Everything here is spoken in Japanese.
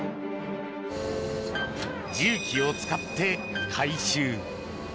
重機を使って回収。